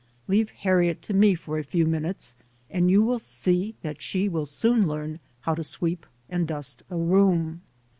"Leave Harriet to me for a few minutes and you will see that she will soon learn how to sweep and dust a room."